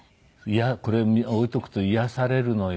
これ置いておくと癒やされるのよやっぱり。